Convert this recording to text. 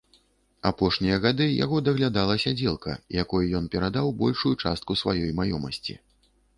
Апошнія гады яго даглядала сядзелка, якой ён перадаў большую частку сваёй маёмасці.